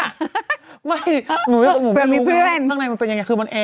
ไม่หนูไม่รู้ว่าข้างในมันเป็นยังไงคือมันแอร์กัน